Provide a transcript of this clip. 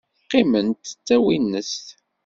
Qqiment d tawinest.